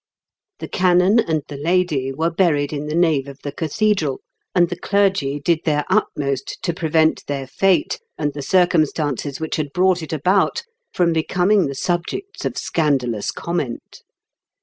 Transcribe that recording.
The canon and the lady were buried in the nave of the cathedral, and the clergy did their utmost to prevent their fate, and the circum stances which had brought it about, from becoming the subjects of scandalous comment.